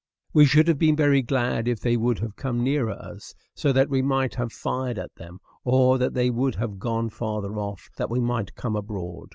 We should have been very glad if they would have come nearer us, so that we might have fired at them, or that they would have gone farther off, that we might come abroad.